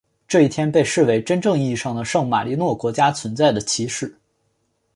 这一天被视为真正意义上的圣马力诺国家存在的起始。